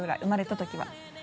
生まれた時は。